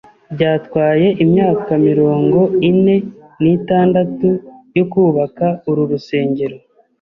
Byatwaye imyaka mirongo ine n'itandatu yo kubaka uru rusengero.